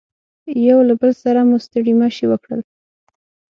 یو له بل سره مو ستړي مشي وکړل.